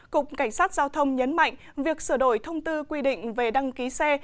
cục cảnh sát giao thông nhấn mạnh việc sửa đổi thông tư quy định về đăng ký xe